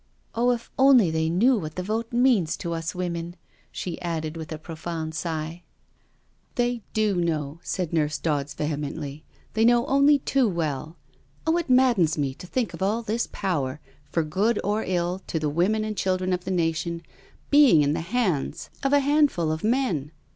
Oh, if only they knew what the vote means to us women I she added, with a profound sigh. "They do know I'* said Nurse Dodds vehemently, " they know only too well. Oh, it maddens me to think of all this power, for good or ill to the women and children of the nation, being in the hands of a handful i82 NO SURRENDER of men.